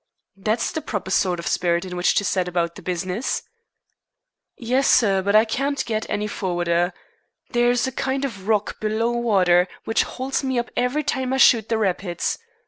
"That's the proper sort of spirit in which to set about the business." "Yes, sir; but I can't get any forrarder. There's a kind of rock below water which holds me up every time I shoot the rapids.